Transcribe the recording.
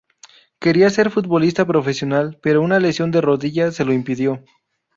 Quería ser futbolista profesional pero una lesión de rodilla se lo impidió.